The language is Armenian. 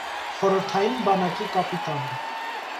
Խորհրդային բանակի կապիտան։